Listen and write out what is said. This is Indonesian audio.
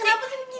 kenapa sih begini